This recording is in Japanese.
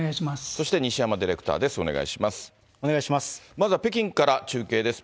そして、西山ディレクターです。